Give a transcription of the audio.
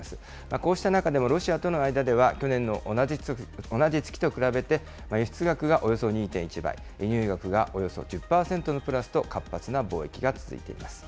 こうした中でもロシアとの間では、去年の同じ月と比べて、輸出額がおよそ２．１倍、輸入額がおよそ１０％のプラスと、活発な貿易が続いています。